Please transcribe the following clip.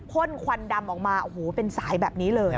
่นควันดำออกมาโอ้โหเป็นสายแบบนี้เลย